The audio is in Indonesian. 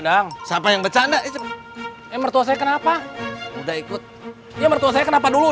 dang sampai yang bercanda itu emang tuh saya kenapa udah ikut dia bertuah saya kenapa dulu